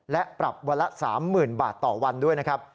และปรับวันละ๓๐๐๐บาทต่อวันด้วยนะครับ